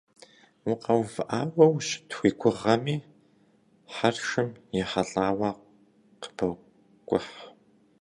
Укъэувыӏауэ ущыт уи гугъэми, хьэршым ехьэлӏауэ къыбокӏухь.